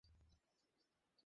আমরা সবাই খুব গর্বিত সেজন্য।